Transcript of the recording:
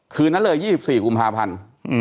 คืนนั้นเลย๒๔กุมภาพันธ์